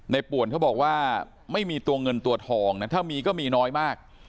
ป่วนเขาบอกว่าไม่มีตัวเงินตัวทองนะถ้ามีก็มีน้อยมาก